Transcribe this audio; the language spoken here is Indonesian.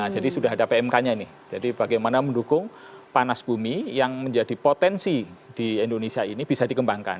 jadi sudah ada pmk nya ini jadi bagaimana mendukung panas bumi yang menjadi potensi di indonesia ini bisa dikembangkan